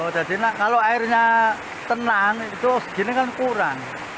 jadi kalau airnya tenang oksigennya kan kurang